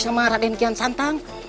sama raden kian santang